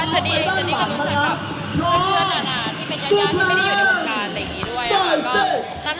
เจนนี่ก็รู้สึกว่าเมื่อเวลานานที่เป็นยาวนานที่ไม่ได้อยู่ในวงการ